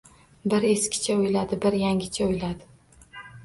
Bir eskicha o‘yladi, bir yangicha o‘yladi.